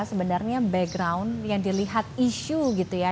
sebenarnya background yang dilihat isu gitu ya